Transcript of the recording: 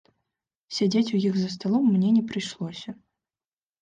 Сядзець у іх за сталом мне не прыйшлося.